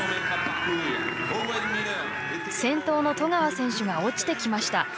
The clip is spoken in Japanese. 先頭の十川選手が落ちてきました。